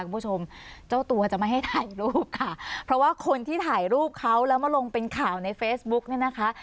คุณผู้ชมเจ้าตัวจะไม่ให้ถ่ายรูปค่ะเพราะว่าคนที่ถ่ายรูปเขาแล้วมาลงเป็นข่าวในเฟซบุ๊กเนี่ยนะคะ